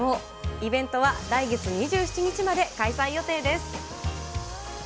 イベントは来月２７日まで開催予定です。